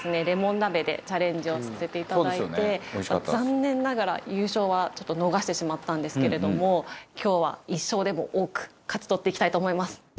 レモン鍋でチャレンジをさせていただいて残念ながら優勝はちょっと逃してしまったんですけれども今日は１勝でも多く勝ち取っていきたいと思います。